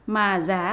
mà giá khá là đúng